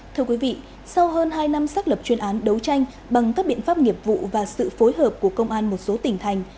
thưa quý vị sau hơn hai năm xác lập chuyên án đấu tranh bằng các biện pháp nghiệp vụ và sự phối hợp của công an một số tỉnh thành